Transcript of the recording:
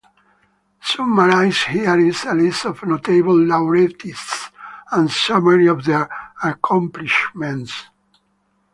Summarized here is a list of notable laureates and a summary of their accomplishments.